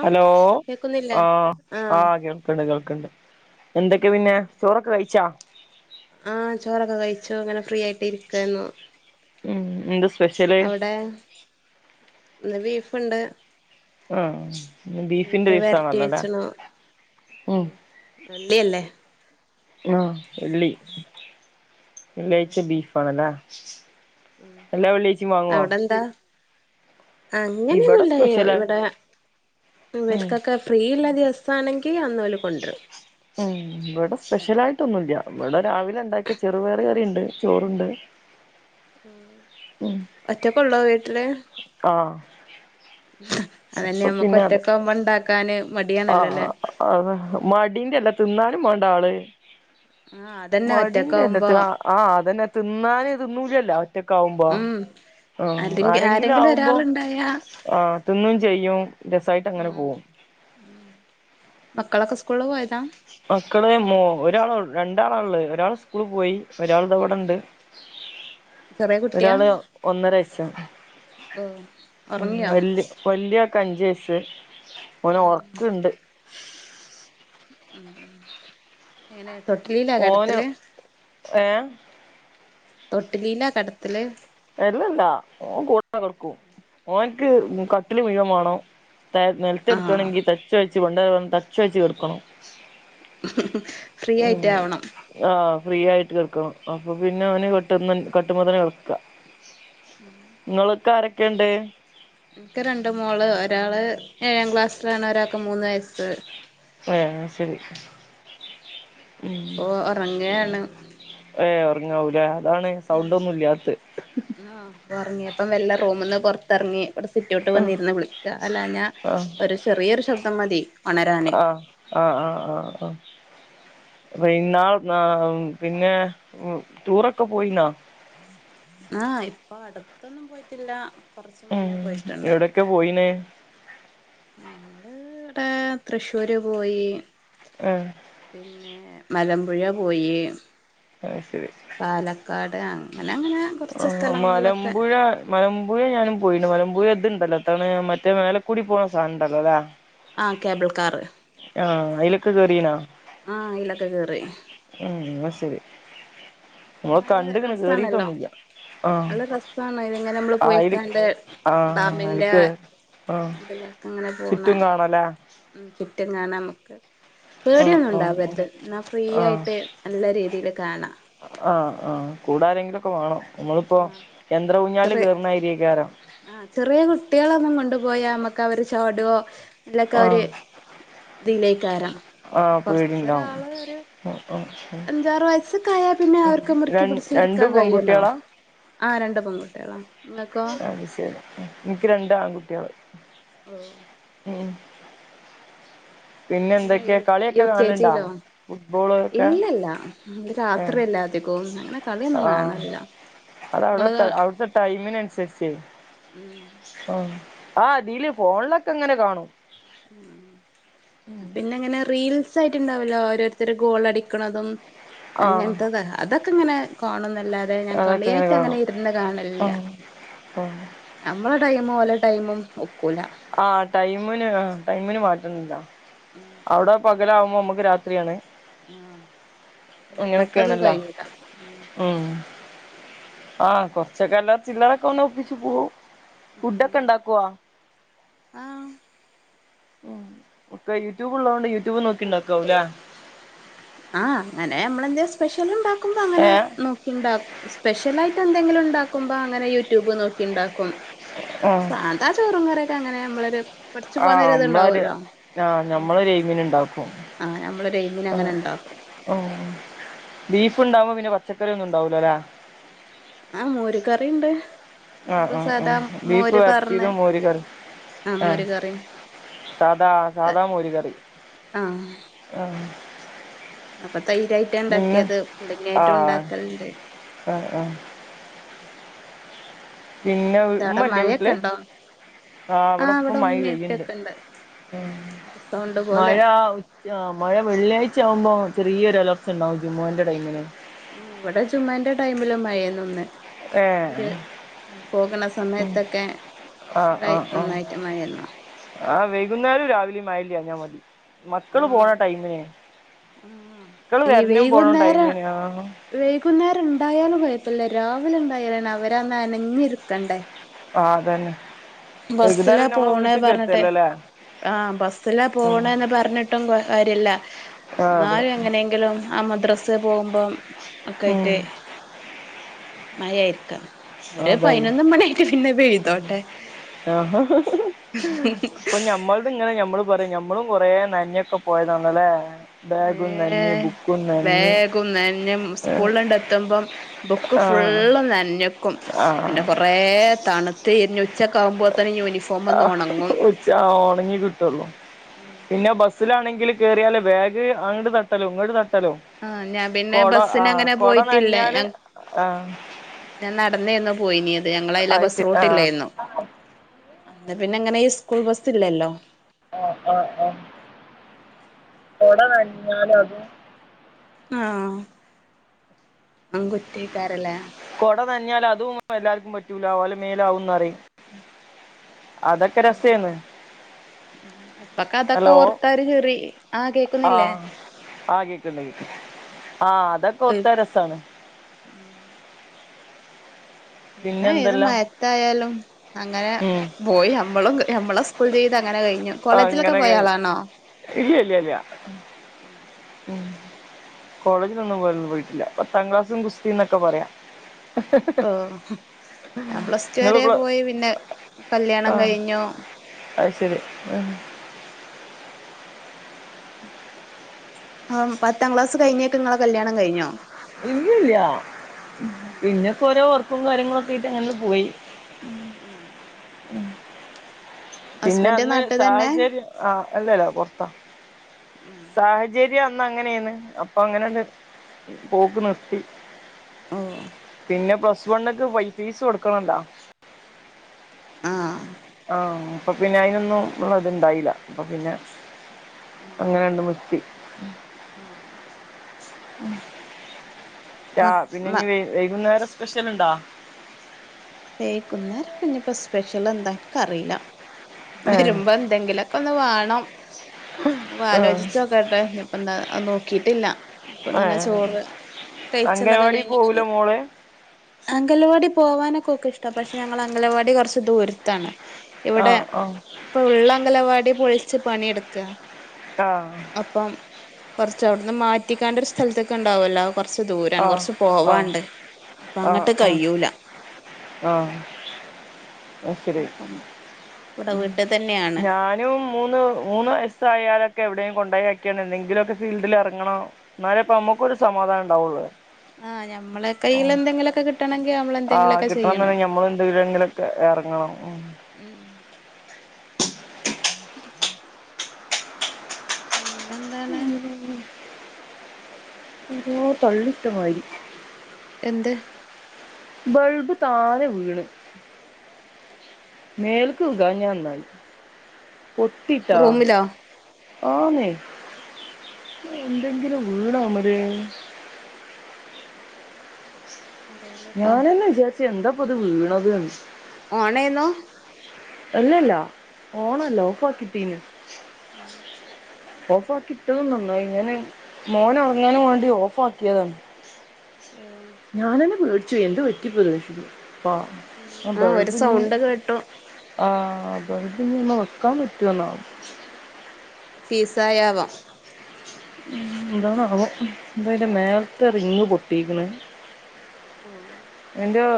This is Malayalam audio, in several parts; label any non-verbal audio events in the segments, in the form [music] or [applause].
ഹലോ കേക്കുന്നില്ലേ ആഹ് ആഹ് കേൾ ക്കണ്ട് കേൾക്കണ്ട് എന്തൊക്കെ പിന്നെ ചോറൊക്കെ കഴിച്ചാ ആഹ് ചോറൊക്കെ കഴിച്ചു അങ്ങനെ ഫ്രീ ആയിട്ട് ഇരിക്കുവാന്നു ഉം എന്ത് സ്പെഷ്യല് അവിടെ ഇന്ന് ബീഫുണ്ട് ആഹ് ബീഫിന്റെ ബീഫ് ദിവസം വരട്ടി ആണല്ലോല്ലേ ഉംഹ് വെള്ളി അല്ലേ ആഹ് വെള്ളി വെള്ളിയാഴ്ച്ച ബീഫ് ആണല്ലേ എല്ലാ വെള്ളിയാഴ്ച്ചയും വാങ്ങുവോ ഇവിടെ അങ്ങനെയൊന്നുംല്ല സ്പെഷ്യല് ഇവിടെ ഉം ഇവർക്കൊക്കെ ഫ്രീ ഉള്ള ദിവസമാണെങ്കിൽ അന്ന് ഓല് കൊണ്ടുവരും ഉം ഇവിടെ സ്പെഷ്യൽ ആയിട്ടൊന്നുമില്ല ഇവിടെ രാവിലെ ഉണ്ടാക്കിയ ചെറുപയറു കറി ഉണ്ട് ചോറുണ്ട് ഉം ഉം ഒറ്റക്കെ ഉള്ളു വീട്ടില് ആഹ് അതന്നെ അപ്പൊ നമ്മുക്ക് പിന്നെ അത് ഒറ്റക്ക് ആവുമ്പോ ഉണ്ടാക്കാന് മടി ആഹ് അതെ മടീന്റെ അല്ല തിന്നാലും വേണ്ടേ ആള് ആഹ് അതന്നെ ഒറ്റക്കാവുമ്പോ മടിന്റെയല്ല ആഹ് അതന്നെ തിന്നാന് തിന്നൂലല്ലോ ഒറ്റക്ക് ആവുമ്പോ ഉം ആഹ് അല്ലെങ്കി ആരെങ്കിലും ആവുമ്പോ ഒരാളുണ്ടായാ ആഹ് തിന്നുവം ചെയ്യും രസമായിട്ട് അങ്ങനെ പോവും ഉം മക്കളൊക്കെ സ്കൂളില് പോയതാ മക്കള് മോ ഒരാളൊ രണ്ടാളൊള്ള് ഒരാള് സ്കൂളി പോയി ഒരാൾ ദേ ഇവടൊണ്ട് ചെറിയ കുട്ടിയാ ഒരാള് ഒന്നരവയസാ ഓ ഉം ഉറങ്ങിയോ വല് വല്യ ആക്ക് അഞ്ച് വയസ് ഓന് ഒറക്കണ്ട് ഉം ഉം എങ്ങനെ തൊട്ടിലിലാ ഓന് കെടത്തല് ഏ തൊട്ടിലിലാ കെടത്തല് എല്ലല്ലാ ഓൻ കൂട കൊടക്കും ഓന്ക്ക് കട്ടില് മൂഴൻ വേണം ത നേലത്ത് ആഹ് കെടക്കാണെങ്കി തച്ച് തച്ച് [unintelligible] കെടക്കണം ഫ്രീ ഉം ആയിട്ട് ആവണം ആഹ് ഫ്രീ ആയിട്ട് കെടക്കണം അപ്പൊ പിന്നെ അവന് കട്ട്ന്ന കട്ടുമ്മ തന്നെ കെടക്കുക ഉം നിങ്ങളൊക്കെ ആരൊക്കെയുണ്ട് എനിക്ക് രണ്ടു മോള് ഒരാള് ഏഴാം ക്ലാസ്സിലാണ് ഒരാക്ക് മൂന്ന് വയസ്സ് ആഹ് ശരി ഓഹ് ഒറങ്ങാണ് ഏഹ് ഒറങ്ങാവൂലേ അതാണ് സൗണ്ട് ഒന്നും ഇല്യാത്ത് ആഹ് ഒറങ്ങിയപ്പം മെല്ലെ റൂമിന്ന് പൊറത്തെറങ്ങി ഇവടെ സിറ്റൗട്ട് ആഹ് വന്നിരുന്ന് വിളിക്കാ അല്ലാഞ്ഞാ ആഹ് ഒരു ചെറിയൊരു ശബ്ദം മതി ഉണരാന് ആഹ് ആഹ് ആഹ് ആഹ് ആഹ് [unintelligible] ഉം പിന്നെ ടൂറൊക്കെ പോയിന്നാ ആഹ് ഇപ്പൊ അടുത്തൊന്നും പോയിട്ടില്ല കൊറച്ച് മുന്നേ ഉം പോയിട്ടൊണ്ട് എവിടൊക്കെ പോയിന് ഞങ്ങള് ഇവടെ തൃശ്ശൂര് പോയി ആഹ് പിന്നെ മലമ്പുഴ പോയി അത് ശരി പാലക്കാട് അങ്ങനെ അങ്ങനെ കൊറച്ച് സ്ഥലങ്ങളിലൊക്കെ മലമ്പുഴെ ഞാനും പോയിണ്ട് മലമ്പുഴ ഇതുണ്ടല്ലോ എന്താണ് മറ്റേ മേലെക്കൂടി പോകണ സാധനംണ്ടല്ലോ ല്ലേ ആഹ് കേബിൾ കാറ് ആഹ് അയിലൊക്കെ കേറീനാ ആഹ് അയിലൊക്കെ കേറി ഉം എന്ന ശരി നമ്മള് നല്ല കണ്ടിക്കണ് രസാണല്ലോ കേറീട്ടൊന്നില്ല ആഹ് നല്ല രസാണ് ഇതിങ്ങനെ നമ്മള് ആയിരിക്കും പോയിക്കാണ്ട് ആഹ് ഡാമിന്റെ [unintelligible] ആഹ് ചുറ്റും കാണാ ല്ലേ ഉം ചുറ്റും കാണാമ്മക്ക് ആഹ് പേടിയൊന്നും ആഹ് ആഹ് ഉണ്ടാവരുത് എന്നാ ഫ്രീ ആഹ് ആയിട്ട് നല്ല രീതിയില് കാണാം ആഹ് ആഹ് കൂടാരെങ്കിലുക്കെ വേണം നമ്മളിപ്പോ യന്ത്ര ചെറിയ ഊഞ്ഞാലില് [unintelligible] ആഹ് ചെറിയ കുട്ടികളൊന്നും കൊണ്ടുപോയാ മ്മക്ക് അവര് ചോടുവോ ഇല്ലൊക്കവര് ആഹ് [unintelligible] പക്ഷെ ആഹ് പേടിണ്ടാവും കൊറച്ചൊരാള് ഒരു ആഹ് ആഹ് ആഹ് അഞ്ചാറു വയസ്സക്കായാ പിന്നെ അവര്ക്ക് ര മുറുക്കി രണ്ട് പിടിച്ചിരിക്കാ കഴിയുവല്ലോ പെൺകുട്ട്യാളാ ആഹ് രണ്ട് പെൺകുട്ടികളാ അത് ശെരി എനിക്ക് രണ്ട് ആൺകുട്ടിയള് ഓഹ് ഉം പിന്നെ എന്തൊക്കെ എൽ കളിയൊക്കെ യുക്കെജി കാണല്ണ്ടാ ലോ ഫുട്ബോള് ഒക്കെ ഇല്ലല്ല അത് ഏഹ് രാത്രി അല്ലേതികോം അങ്ങനെ കളിയൊന്നും ആഹ് കാണാറില്ല അത് അവിടെ അവിടുത്തെ ടൈമിനനുസരിച്ച് ഉം അപ്പം ആ ഇതില് ഫോണിലൊക്കെ ഇങ്ങനെ കാണും പിന്നെങ്ങനെ റീൽസ് സായിട്ടുണ്ടാവല്ലോ ഓരോരുത്തര് ഗോൾടിക്കുന്നതും ആഹ് അങ്ങനത്തത അതൊക്കെ ഇങ്ങനെ കാണുന്നല്ലാതെ ഞാൻ അതൊക്കെ ഇങ്ങനെ കളിയായിട്ട് കാണും അങ്ങനെ ഇരുന്ന് കാണലില്ല ആഹ് ആഹ് നമ്മളെ ടൈമും ഓല ടൈമും ഒക്കൂല ആഹ് ടൈമിന് ആ ടൈമിന് മാറ്റുന്നില്ല അവ്ടെ പകലാവുമ്പോ നമക്ക് രാത്രിയാണ് ആഹ് നമ്മക്കത് കഴിയൂല മം ആഹ് കൊറച്ചക്ക അല്ലറ ചില്ലറക്കൊന്ന് ഒപ്പിച്ചു പോവും ഫുഡൊക്കെ ഉണ്ടാക്കുവോ ആഹ് മം ഒക്കെ യൂട്യൂബ് ഉള്ളത് കൊണ്ട് യൂട്യൂബ് നോക്കിണ്ടാക്കാവുംല്ലേ ആഹ് അങ്ങനെ നമ്മളെന്തെ സ്പെഷ്യൽ ഉണ്ടാക്കുമ്പോ അങ്ങനെ ഏഹ് നോക്കിണ്ട സ്പെഷ്യൽ ആയിട്ട് എന്തെങ്കിലും ഉണ്ടാക്കുമ്പോ അങ്ങനെ യൂട്യൂബ് നോക്കി ഉണ്ടാക്കും പിന്നെ ആഹ് സാധ ചോറും കറിയൊക്കെങ്ങനെ നമ്മളരു ആഹ് നമ്മളൊരു ആഹ് നമ്മളൊ എയ്മീന് ഉണ്ടാക്കും ആഹ് നമ്മള്ര് എയ്മിന അങ്ങനെ ഉണ്ടാക്കും ഓഹ് ബീഫ് ഉണ്ടാവുമോ പിന്നെ പച്ചക്കറി ഒന്നും ഉണ്ടാവലോ അല്ലേ ആഹ് മോര് കറിയുണ്ട് ആഹ് ആഹ് ആ ബീഫ് പാർന്ന് വരറ്റിയതും മോരി കറി ആ ആഹ് മോര് കറിം സാധാ സാദാ മോര കറി ആ ആഹ് പ്പ തൈരായിട്ടാ പിന്നെ ഉണ്ടാക്കിയത് പുളിങ്ങിയായിട്ടും ഉണ്ടാക്കലേ മം മം പിന്നെ എന്താ അവിടെ ഉമ്മല്ലേ മഴയൊക്കെ വീട്ടില് ഉണ്ടോ ആ അവിടെപ്പ ഇവിടെ മഴ ഉമ്മേം പെയ്ണ്ട് ഉപ്പയൊക്കെണ്ട് ഉം ഒരു സൗണ്ട് പോലെ മഴ ആ മഴ വെള്ളിയാഴ്ച ആകുമ്പോ ചെറിയ ഒരുരലർച്ചണ്ടാവും ജുമ്അന്റെ ടൈമിന് ഇവിടെ ജുമ്അന്റെ ടൈമില് മഴേന്നൊന്ന് ഒരു ഏഹ് പോകണ സമയത്തൊക്കെ നല്ല നന്നായിട്ടമായിരുന്നു ആ വൈകുന്നേരം രാവിലെയും മയഇല്ലാഞ്ഞമതി മക്കള് പോണ ടൈമിനെ ആഹ് മക്കള് ഈ വരണും പോണ വൈകുന്നേരം ടൈമിന് ആഹ് വൈകുന്നേരം ഉണ്ടായാലും കുഴപ്പില്ല രാവിലെ ഉണ്ടായാലാണ് അവരന്ന് നനഞ്ഞിരുരിക്കണ്ടേ ആഹ് അതന്നെ വൈകുന്നേരം ബസ്സിലാ പിന്നെ നമ്മള് പോണ വീട്ടിക്ക് പറഞ്ഞിട്ടെ എത്തല്ലോല്ലേ ആഹ് ബസ്സില ഉം പോണന്ന് പറഞ്ഞിട്ടും കാര്യല്ല ആഹ് അതെ എന്നാലും എങ്ങനെയെങ്കിലും ആ മദ്രസ് പോകുമ്പം ഉം ഒക്കൊയിട്ടേ മഴായിരിക്കാം ഒരു അതന്നെ പതിനൊന്ന് മണിയായിട്ട് പിന്നെ പെയ്തോട്ടെ ആഹ് ഇപ്പൊ ഞമ്മൾ അങ്ങനെ മ്മള് പറയും ഞമ്മളും അപ്പം ഇങ്ങനെ ഞമ്മളും പറയാ ഞമ്മളും കൊറേ നനഞ്ഞയൊക്കെ പോയതാണല്ലേ ബാഗും നനഞ് ഏഹ് ബുക്കും നനഞ്ഞ് ബാഗും നെനഞ്ഞും സ്കൂളിൽണ്ട് എത്തുമ്പം ബുക്ക് ആഹ് ഫുള്ള് നനഞ്ഞ ക്കും പിന്നെ കൊറേ തണുത്ത് ഇരിഞ്ഞ ഉച്ചക്ക ആകുമ്പോ തന്നെ യൂഫോ ആഹ് ഉച്ച ഉണങ്ങി കിട്ടുള്ളൂ പിന്നെ ബ സിലാണെങ്കിൽ കയറിയാല് ബാഗ് അങ്ങട്ട് തട്ടലും അങ്ങോട്ട് തട്ടലും ഹലോ, ആഹ് ഞാൻ പിന്നെ കൊട ആ, ബസ്സിന് അങ്ങനെ കൊട പോയിട്ടില്ല നനഞ്ഞാല് ഞാൻ ആ. ഞാൻ നടന്നന്നും പോയിനീത് ഞങ്ങള അതിലെ അത് ബസ് ശരി റൂ ആഹ് ട്ടില്ലായിരുന്നു. അന്ന് പിന്നെ ഇങ്ങനെ ഈ സ്കൂൾ ബസ് ഇല്ലല്ലോ. ആ, ആ, ആ. കുട നനഞ്ഞാൽ അത് ആ, അതും കുറ്റകാരം ലെ. കുട ന ന്നഞ്ഞാൽ അതൊന്നും എല്ലാർക്കും പറ്റൂല. ഓലെ മേലാവുംന്ന് പറയും. അതൊക്കെ രസനും. ഇപ്പൊക്കെ അതൊക്കെ ഓർത്താൽ ഒരു ചിരി ആ, കേക്കുന്നില്ലേ. ആ, കേക്കുന്നുണ്ട്.. ആ, അതൊക്കെ ഓർത്ത രസമാണ്. ഉം [inaudible] പിന്നെ ഏത് മഴ ത്തായാലും അങ്ങനെ ഉം പോയി നമ്മളും നമ്മളെ സ്കൂൾ സ്കൂൾ ജീവിതം അങ്ങനെ കഴിഞ്ഞു. കോളേജിലൊക്കെ അങ്ങനെയൊക്കെ പോയാളാണോ? ഇല്ല ഇല്ല ഇല്ല [unintelligible] കോളേജിൽന്നും പോ പോയിട്ടില്ല. പത്താം ക്ലാസ്സും ഗുസ്ത്തി എന്നൊക്കെ പറയാം. ഓ, ഞാൻ പ്ലസ് ടു നിങ്ങള് വരെ പ്ല പോയി. പിന്നെ കല്യാണം ആഹ് കഴിഞ്ഞു അത് ശരി. പത്താം ക്ലാസ് കഴിഞ്ഞേക്ക് നിങ്ങളെ കല്യാണം കഴിഞ്ഞോ? ഇല്ലല്ല. പിന്നക്കെ ഓരോ വർക്കും കാര്യങ്ങള ഒക്കെ ഇട്ട് അങ്ങനെ പോയി. ഉം. പിന്നെ അന്ന് നാട്ട് തന്നെ സാഹചര്യം. ആ, അല്ലല്ല പൊർത്താ. സാഹചര്യം അന്ന് അങ്ങനെണ്. അപ്പൊ അങ്ങനട് പോക്ക് ന്നിർത്തി. ഓ പിന്നെ പ്ലസ് വണ്ക്ക് പോയി. ‌ ഫീസ് കൊട്ക്ക്ണോ ലോ? ആ. ആ, അപ്പൊ പിന്നെ അയ്നൊന്നുംള്ള ഇത്ണ്ടായില, അപ്പൊ പിന്നെ അങ്ങനെണ്ട് നിർത്തി. അ. റ്റാ മ പിന്നെ മ ഇഞ്ഞി വൈകുന്നേര സ്പെഷലുണ്ടോ? വൈകുന്നേരപ്പഞ്ഞിപ്പോ സ്പെഷൽ എന്താ ഇക്ക് അറീല. ഏഹ് വെരുമ്പോ എന്തെങ്കിലൊക്കെ ഒന്ന് വാണം. ആഹ് ആലോചിച്ചു നോക്കെട്ടേ ഞ്ഞിപ്പെന്താ നോ ക്കിട്ടില്ല ഇപ്പ ഇങ്ങനെ ഏഹ് ചോറ് കഴിച്ചണത് അംഗൻവാടി കഴിഞ് ഇങ്ങനെ പോവൂലെ ഇരിക്ക.. മോള് അംഗലവാടി പോവാനൊക്കെ ഒക്കെ ഇഷ്ട. പക്ഷേ ഞങ്ങളെ അംഗലവാടി കൊർച്ച് ദൂരത്താണ്. ഇവ്ടെ ആഹ് ആഹ് ഇപ്പള്ള അംഗലവാടി പൊളിച്ച് പണിട്ക്കാ. ആ. ഇപ്പം കോർച് അവിടെ നിന്ന് മാറ്റിക്കാണ്ട് ഒര് സ്ഥലത്ത് ക്ക്‌ ഇണ്ടാവല്ലോ. കൊർച്ച് ആഹ് ദൂരാണ്. ആഹ് കൊർച്ച് ആഹ് പോവാണ്ട്. അപ്പ അങ്ങട്ട് കയ്യൂല. ഓ. അപ്പം. [inaudible] തന്നെയാണ് ഞാൻ ഞാനും മൂന്ന് മൂന്ന് വയസ്സായലൊക്കെ എവിടെങ്കിലും കൊണ്ടെയാക്കിണ്ട്, എന്തെങ്ക്‌ലൊക്കെ ഫീൽഡിൽ എർങ്ങണം. ഇന്നലെ ഇപ്പ അമ്മക്കൊരു സമാധാനം ണ്ടാവൊള്ളു.. ആ, ഞമ്മളെ കയ്യിലെന്തെങ്കി ലൊക്കെ കിട്ടണങ്കി നമ്മൾ. ആ, എന്തെങ്കിലുമൊക്കെ കിട്ടണം ചെയ്യണം ന്നെട്ങ്കി ഞമ്മൾ എന്തെങ്ക്‌ലൊക്കെ എർങ്ങണം. പിന്നെന്താ? [inaudible] അരോ തള്ളിട്ടമാരീ. എന്ത്? ബൾബ് താനെ വീണ്. മേൽക്ക് വീഴാഞ്ഞ നന്നായി പൊട്ടിട്ടോ. റൂമിലോ ആന്നെ ഇഞ എന്തെങ്ക്‌ലും വീണോ അയ്മല്. അറിയില്ലട്ടോ ഞാൻതന്നെ വിചാര്ച് എന്താപ്പ്ത് വീണത് ന്ന്. ഓണെരുന്നൊ അല്ലല്ല ഓണല്ല ഓഫാക്കിട്ടീന്. ഉം. ഓഫാക്കിട്ടതും നന്നായി ഞാന് മോനൊർങ്ങാന് മാണ്ടി ഓഫാക്കിയതാണ്. ആഹ് ഞാനന്നെ പേട്ച്ചോയി എന്ത്പ്പറ്റിപ്പത് ബ അ ആഹ് ഒരു ബൾബ്ഞ് സൗണ്ട് കേട്ടു ആഹ് ബൾബ്ഞ്ഞി അയ്മെ വെക്കാൻ പറ്റൊന്നാവോ? പിസായാവാം ന്താന്നാവോ ന്തായാലും മേലത്തെ റിങ്ങ് പൊട്ടിക്ക്ണ്. ആഹ് എന്ത്യയോ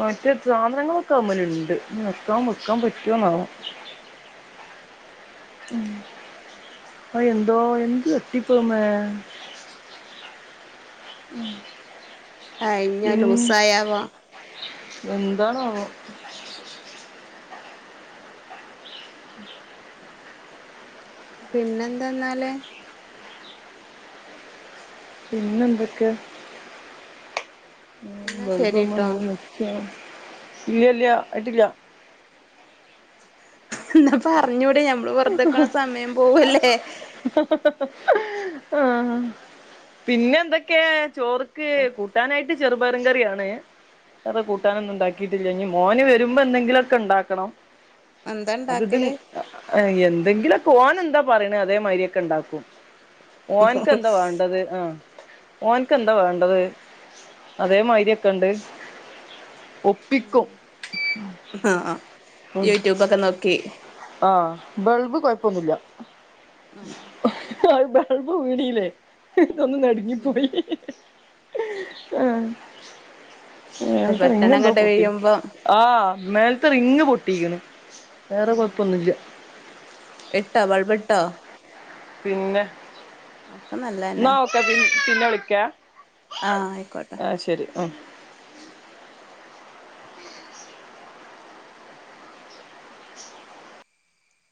മറ്റേ സാധനങ്ങളൊക്കെ അയ്മ്മല്ണ്ട് ഇഞ്ഞി വെക്കാം വെക്കാം പറ്റൊന്നാവോ? ഉം അയ്എന്തോ എന്ത് തട്ടിപ്പ അയമെ. ഉം. ആഹ് ഇഞ ലൂസ് ആയാവാം എന്താണാവോ? പിന്നെന്താന്നാല്. പിന്നെ എന്തക്കെ ഉം എന്നാ ബൾബവ്മ്പോ ശരിട്ടോ ഇങ്ങനെ നിക് ഉം ഇല്ല ഇല്ല്യ അയ്ട്ട്ല്ലാ. എന്നാ പറഞ്ഞൂടെ നമ്മള് വെറുതെക്കണ സമയം പോവല്ലേ ആ പിന്നെ എന്തൊക്കെയ ചോറ് കൂട്ടാനായിട്ട് ചെറുപയറും കറിയാണ് വേറെ കൂട്ടാനൊന്നും ഉണ്ടാക്കിട്ടില്ല ഇനി മോന് വരുമ്പോ എന്തെങ്കിലുമൊക്കെ ഉണ്ടാക്കണം എന്താ അത് ഇത് ഇണ്ടാക്കല് എന്തെങ്കിലൊക്കെ ഓൻ എന്താ പറയണ അതേ മാരിയൊക്കെ ഉണ്ടാക്കും ഓൻക്ക് എന്താ വേണ്ടത് ആഹ ഓനക്ക് എന്താ വേണ്ടത് അതേ മാരി ഒക്കെ ഇണ്ട് ഉപ് ആ യൂട്യൂബൊക്കെ നോക്കി ആഹ ബൾബ് കൊഴപ്പൊന്നുമില്ല ആ ബൾബ് വീണീല്ലേ ഒന്ന് നടുങ്ങിപ്പോയി ആഹ അല്ല അയ്നത്ത പെട്ടെന്ന് റിങ്ങെന്തോ അങ്ങട്ട് പൊട്ടി വീഴുമ്പം ആ മേലത്തെ റിങ്ങ് പൊട്ടിരിക്കുന്നു വേറെ കുഴപ്പൊന്നുമില്ല ഇട്ടാ ബൾബ് ഇട്ടാ പിന്നെ ഒക്കെ നല്ലതന്നെ [unintelligible] പിന്നെ വിളിക്കാ ആഹ ആയിക്കോട്ടെ അയ് ശരി ആഹ്